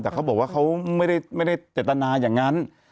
แต่เขาบอกว่าเขาไม่ได้เจตนาอย่างนั้น